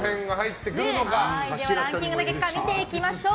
ランキングの結果見ていきましょう。